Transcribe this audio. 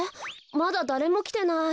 まだだれもきてない。